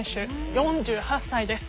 ４８歳です。